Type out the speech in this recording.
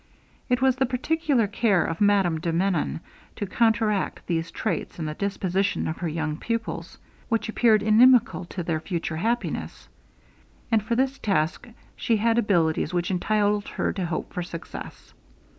It was the particular care of Madame de Menon to counteract those traits in the disposition of her young pupils, which appeared inimical to their future happiness; and for this task she had abilities which entitled her to hope for success.